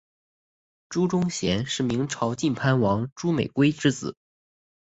朱钟铉是明朝晋藩王朱美圭之子。